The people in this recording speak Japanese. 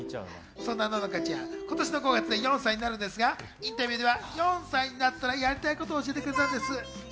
そんなののかちゃん、今年の５月で４歳になるんですが、インタビューでは４歳になったらやりたいことを教えてくれたんです。